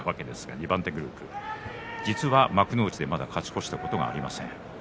二番手グループ、実は幕内でまだ勝ち越したことがありません。